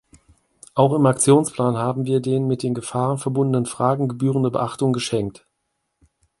Auch im Aktionsplan haben wir den mit den Gefahren verbundenen Fragen gebührende Beachtung geschenkt.